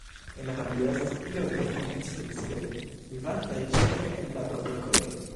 En la familio estas pli ol dek mil specioj, vivantaj ĉefe en la tropikoj.